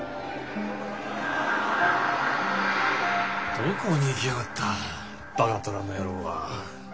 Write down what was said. どこに行きやがったバカ虎の野郎は。